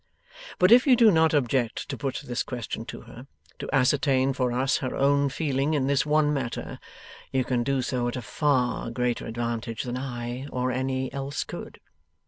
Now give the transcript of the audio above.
But if you do not object to put this question to her to ascertain for us her own feeling in this one matter you can do so at a far greater advantage than I or any else could.